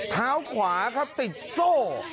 เท้าขวาครับติดโซ่